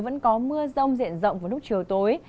vẫn có mưa rông diện rộng vào lúc chiều tối